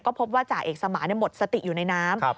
พบว่าจ่าเอกสมานหมดสติอยู่ในน้ำ